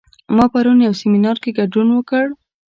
ما پرون یو سیمینار کې ګډون وکړ